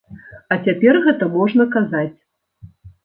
А цяпер гэта можна казаць.